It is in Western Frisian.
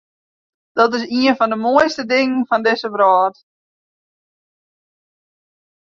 Dat is ien fan de moaiste dingen fan dizze wrâld.